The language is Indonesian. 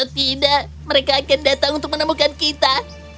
tidak mereka akan datang untuk menemukan kita